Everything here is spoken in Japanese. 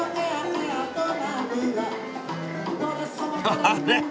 あれ？